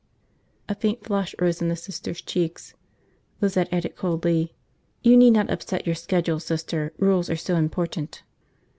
A faint flush rose in the Sister's cheeks. Lizette added coldly, "You need not upset your schedule, Sister. Rules are so important."